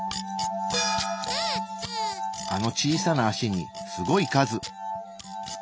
あの小さな足にすごい数！